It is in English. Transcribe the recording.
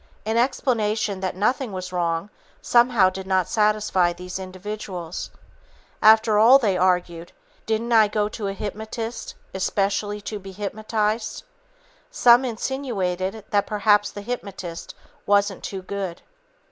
An explanation that nothing was wrong somehow did not satisfy these individuals. "After all," they argued, "didn't I go to a hypnotist especially to be hypnotized?" Some insinuated that perhaps the hypnotist wasn't too good.